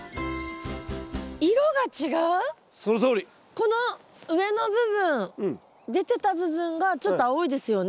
この上の部分出てた部分がちょっと青いですよね。